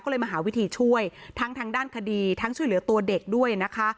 ก็เลยมาหาวิธีช่วยทั้งทางด้านคดีทั้งช่วยเหลือตัวเด็กด้วยนะคะ